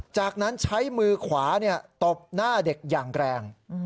จากนั้นใช้มือขวาตบหน้าเด็กอย่างแรง